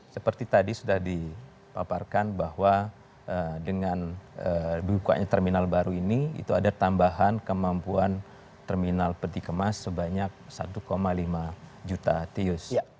seperti tadi sudah dipaparkan bahwa dengan dibukanya terminal baru ini itu ada tambahan kemampuan terminal peti kemas sebanyak satu lima juta tius